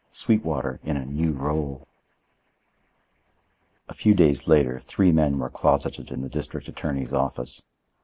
SWEETWATER IN A NEW ROLE A few days later three men were closeted in the district attorney's office.